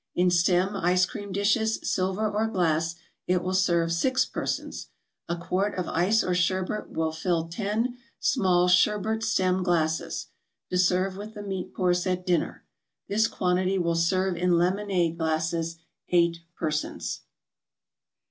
In stem ice cream dishes, silver or glass, it will serve six persons. A quart of ice or sherbet will fill ten small sherbet stem glasses, to serve with the meat course at dinner. This quantity will serve in lemonade glasses eight persons.